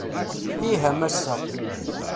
Ih a Massa.